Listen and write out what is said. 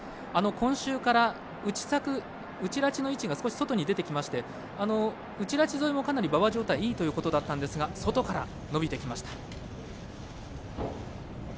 今週から内ラチの位置が少し外に出てきまして内ラチも馬場状態がいいということだったんですが外から伸びてきました。